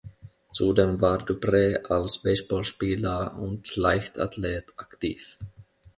Zudem war Dupree als Baseballspieler und Leichtathlet aktiv.